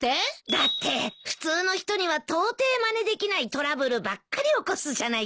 だって普通の人にはとうていまねできないトラブルばっかり起こすじゃないか。